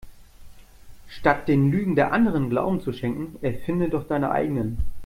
Statt den Lügen der Anderen Glauben zu schenken erfinde doch deine eigenen.